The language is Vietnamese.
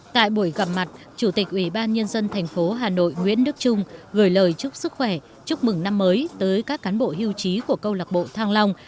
tại buổi gặp mặt chủ tịch ủy ban nhân dân thành phố hà nội nguyễn đức trung gửi lời chúc sức khỏe chúc mừng năm mới tới các cán bộ hưu trí của câu lạc bộ thăng long